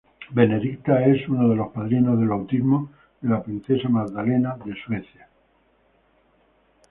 Benedicta es una de los padrinos de bautismo de la princesa Magdalena de Suecia.